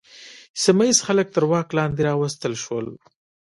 سیمه ییز خلک تر واک لاندې راوستل شول.